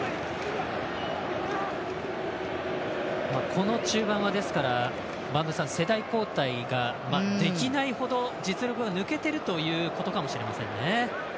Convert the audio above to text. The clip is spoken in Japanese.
この中盤は播戸さん世代交代ができないほど実力が抜けてるということかもしれませんね。